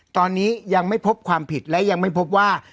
ตอนนี้ยังไม่พบความผิดและยังไม่พบว่า